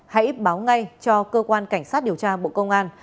hãy báo ngay cho cơ quan cảnh sát điều tra bộ công an